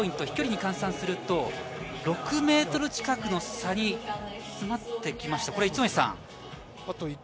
飛距離に換算すると、６ｍ近くの差につまってきました。